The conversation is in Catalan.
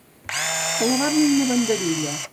Clavar-li una banderilla.